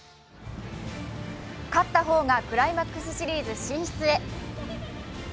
勝った方がクライマックスシリーズ進出へ。